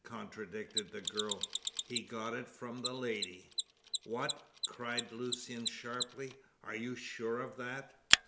contradicted the girl. "He got it from the lady!" "What!" cried Lucian sharply. "Are you sure of that?"